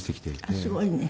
あっすごいね。